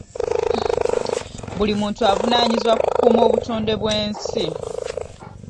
Buli muntu avunaanyizibwa ku kukuuma obutonde bw'ensi.